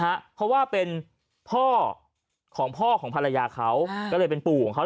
เพราะว่าเป็นพ่อของพ่อของภรรยาเขาก็เลยเป็นปู่ของเขา